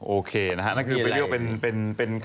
โอเคนะครับนั่นคือไปเรียกเป็นขาว